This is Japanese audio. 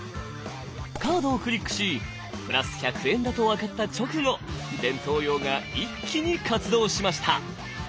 カードをクリックしプラス１００円だと分かった直後前頭葉が一気に活動しました。